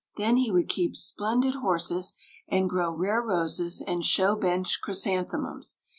Then he would keep splendid horses, and grow rare roses and show bench chrysanthemums.